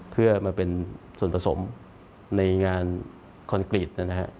เพื่อมาเป็นส่วนผสมในงานคอนกรีตนะฮะ